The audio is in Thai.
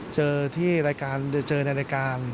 เจอที่รายการเจอในรายการ